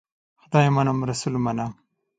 خدای منم ، رسول منم .